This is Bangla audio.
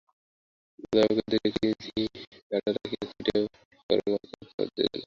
দাদাবাবুকে দেখিয়াই ঝি ঝাঁটা রাখিয়া ছুটিয়া বড়োমাকে খবর দিতে গেল।